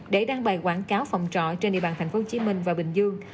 để đăng bài quảng cáo phòng trọ trên địa bàn thành phố hồ chí minh và bình dương